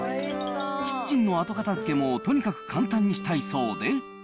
キッチンの後片づけもとにかく簡単にしたいそうで。